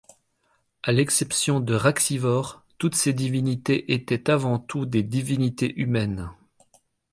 À l'exception de Raxivort, toutes ces divinités étaient avant tout des divinités humaines.